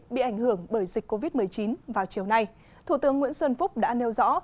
bị ảnh hưởng bởi dịch covid một mươi chín vào chiều nay thủ tướng nguyễn xuân phúc đã nêu rõ